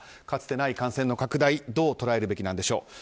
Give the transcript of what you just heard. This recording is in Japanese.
かつてない感染の拡大どう捉えるべきなんでしょう。